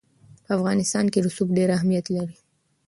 په افغانستان کې رسوب ډېر اهمیت لري.